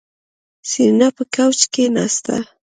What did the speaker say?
سېرېنا په کوچ کېناسته.